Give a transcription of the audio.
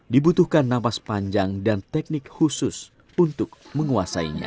dibutuhkan napas panjang dan teknik khusus untuk menguasainya